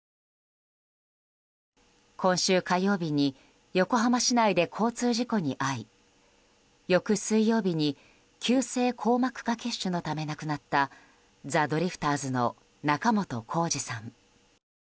今週火曜日に横浜市内で交通事故に遭い翌水曜日に急性硬膜下血腫のため亡くなったザ・ドリフターズの仲本工事さん。